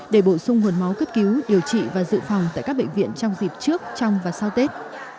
để bổ sung nguồn máu cấp cứu điều trị và dự phòng tại các bệnh viện trong dịp trước trong và sau tết